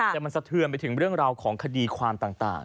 แต่มันสะเทือนไปถึงเรื่องราวของคดีความต่าง